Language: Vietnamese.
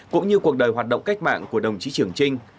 cũng như cuộc đời hoạt động cách mạng của đồng chí trường trinh